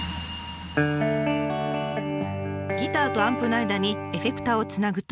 ギターとアンプの間にエフェクターをつなぐと。